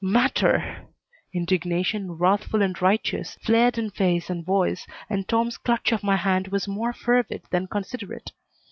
"Matter!" Indignation, wrathful and righteous, flared in face and voice, and Tom's clutch of my hand was more fervid than considerate.